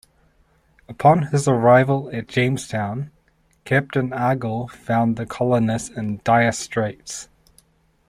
Upon his arrival at Jamestown, Captain Argall found the colonists in dire straits.